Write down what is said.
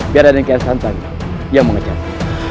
biar raden kian santang yang mengejarnya